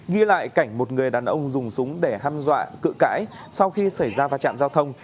ghi lại cảnh một người đàn ông dùng súng để hăm dọa cự cãi sau khi xảy ra va chạm giao thông